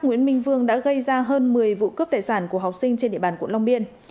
nguyễn minh vương đã gây ra hơn một mươi vụ cướp tài sản của học sinh trên địa bàn quận long biên